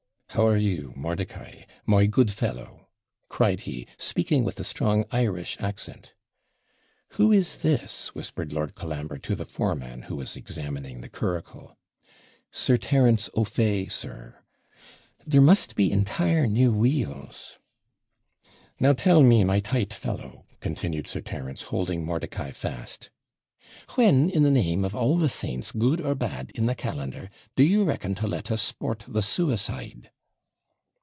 'How are you, Mordicai, my good fellow?' cried he, speaking with a strong Irish accent. 'Who is this?' whispered Lord Colambre to the foreman, who was examining the curricle. 'Sir Terence O'Fay, sir. There must be entire new wheels.' 'Now tell me, my tight fellow,' continued Sir Terence, holding Mordicai fast, 'when, in the name of all the saints, good or bad, in the calendar, do you reckon to let us sport the SUICIDE?'